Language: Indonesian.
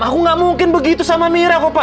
aku gak mungkin begitu sama mira kok pak